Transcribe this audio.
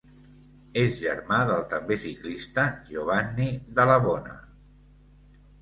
És germà del també ciclista Giovanni Dalla Bona.